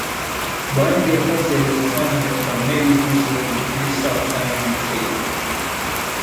Baadhi ya kazi alizofanya katika meli hizo ni Greaser Fireman Sailor